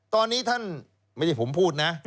ตอนนี้ท่านไม่ได้ผมพูดนะ